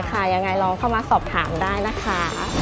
ยังไงลองเข้ามาสอบถามได้นะคะ